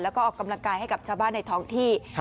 แล้วก็ออกกำลังกายให้กับชาวบ้านในท้องที่